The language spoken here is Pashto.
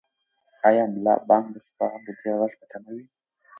آیا ملا بانګ به سبا هم د دې غږ په تمه وي؟